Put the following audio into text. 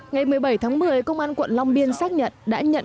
ngày một mươi bảy tháng một mươi công an quận long biên xác nhận